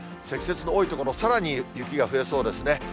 積雪の多い所、さらに雪が増えそうですね。